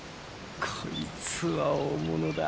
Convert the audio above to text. こいつは大物だ。